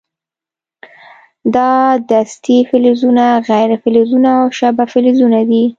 دا دستې فلزونه، غیر فلزونه او شبه فلزونه دي.